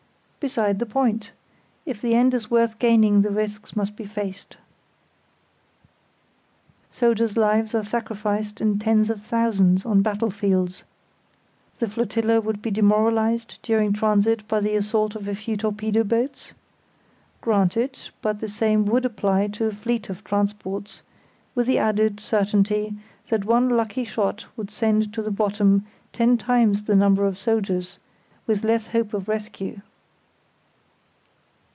Beside the point; if the end is worth gaining the risks must be faced. Soldiers' lives are sacrificed in tens of thousands on battlefields. The flotilla would be demoralised during transit by the assault of a few torpedo boats? Granted; but the same would apply to a fleet of transports, with the added certainty that one lucky shot would send to the bottom ten times the number of soldiers, with less hope of rescue.